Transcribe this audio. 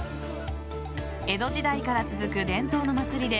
江戸時代から続く伝統の祭りで